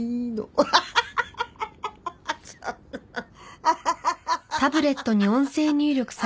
アハハハハ！